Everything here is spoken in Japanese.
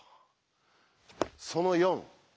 その４。